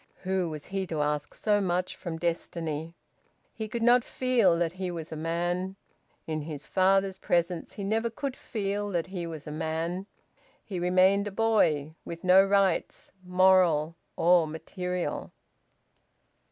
Who was he to ask so much from destiny? He could not feel that he was a man. In his father's presence he never could feel that he was a man. He remained a boy, with no rights, moral or material.